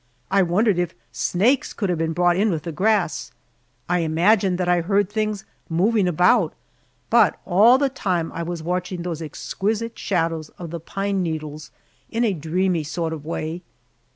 I wondered if snakes could have been brought in with the grass. I imagined that I heard things moving about, but all the time I was watching those exquisite shadows of the pine needles in a dreamy sort of way.